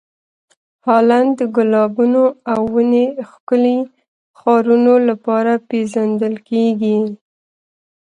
هالنډ د ګلابونو او ونې ښکلې ښارونو لپاره پېژندل کیږي.